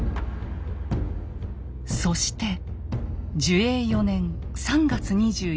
そして寿永４年３月２４日。